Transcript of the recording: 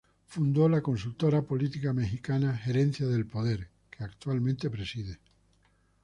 Fundó la Consultora Política Mexicana "Gerencia del Poder", que actualmente preside.